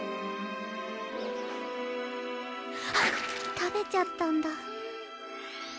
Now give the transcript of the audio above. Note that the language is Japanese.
たべちゃったんだ。